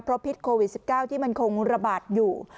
เพราะพิษโควิด๑๙ที่มันคงระบาดอยู่